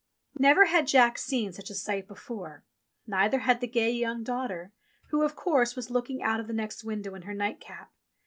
Never had Jack seen such a sight before ; neither had the gay young daughter who, of course, was looking out of the next window in her nightcap.